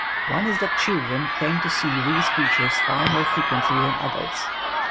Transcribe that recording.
One is that children claim to see these creatures far more frequently than adults.